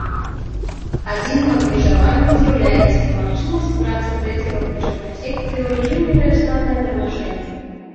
Адзіным абмежаваннем з'яўляецца немагчымасць працы трэцяга прычапной секцыі ў рэжыме рэастатнае тармажэння.